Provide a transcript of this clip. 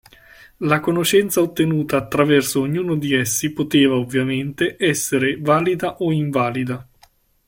La conoscenza ottenuta attraverso ognuno di essi poteva, ovviamente, essere valida o invalida.